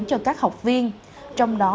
cho các học viên trong đó